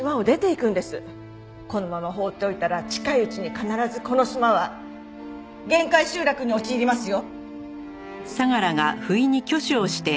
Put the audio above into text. このまま放っておいたら近いうちに必ずこの島は限界集落に陥りますよ！